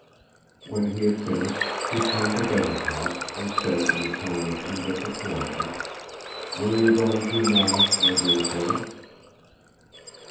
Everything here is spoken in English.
When he had finished, he turned to Bezúkhov, and said in a tone of indifferent politeness: "Where are you going to now, my dear sir?"